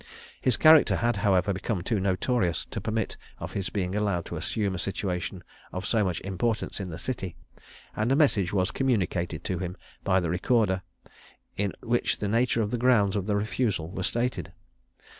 His character had, however, became too notorious to permit of his being allowed to assume a situation of so much importance in the City; and a message was communicated to him by the recorder, in which the nature of the grounds of the refusal were stated.